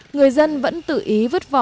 người dân vẫn tự ý